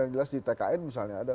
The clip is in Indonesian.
jelas di tkn misalnya